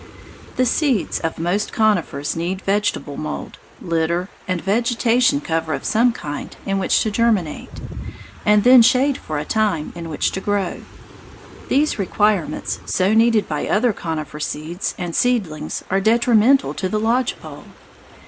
The seeds of most conifers need vegetable mould, litter, or vegetation cover of some kind in which to germinate, and then shade for a time in which to grow. These requirements so needed by other conifer seeds and seedlings are detrimental to the lodge pole.